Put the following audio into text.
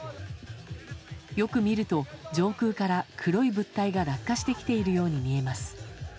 よく見ると、上空から黒い物体が落下してきているように見えます。